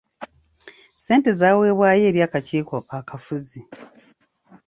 Ssente zaaweebwayo eri akakiiko akafuzi.